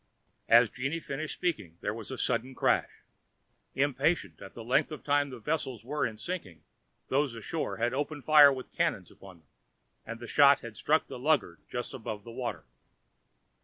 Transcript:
As Jeanne finished speaking, there was a sudden crash. Impatient at the length of time the vessels were in sinking, those ashore had opened fire with cannons upon them, and the shot had struck the lugger just above the water.